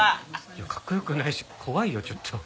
いやかっこよくないし怖いよちょっと。